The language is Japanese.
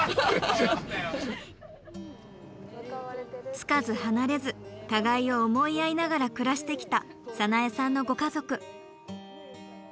付かず離れず互いを思い合いながら暮らしてきた早苗さんのご家族。